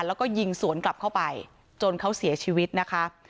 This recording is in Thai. แล้วก็ยิงสวนกลับเข้าไปจนเขาเสียชีวิตนะคะ